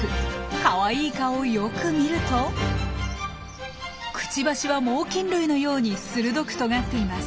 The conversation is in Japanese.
かわいい顔をよく見るとくちばしは猛きん類のように鋭くとがっています。